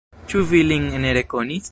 Ĉu vi lin ne rekonis?